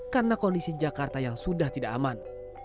karena kondisi jakarta yang sudah tidak aman